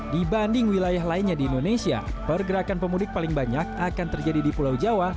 dibanding wilayah lainnya di indonesia pergerakan pemudik paling banyak akan terjadi di pulau jawa